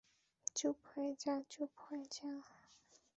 চুপ হয়ে যা, চুপ হয়ে যা।